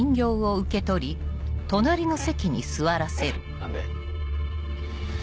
何で？